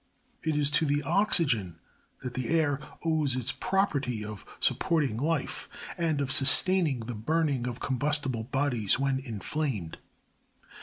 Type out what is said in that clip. It is to the oxygen that the air owes its property of supporting life, and of sustaining the burning of com bustible bodies when inflamed.